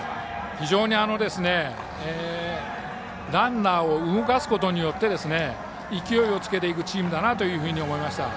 非常にランナーを動かすことによって勢いをつけていくチームだなと思いました。